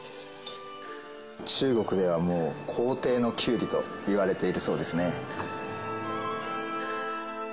中国ではもう「皇帝のきゅうり」といわれているそうですね。